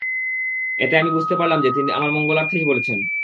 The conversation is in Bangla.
এতে আমি বুঝতে পারলাম যে, তিনি আমার মঙ্গলার্থেই বলছেন।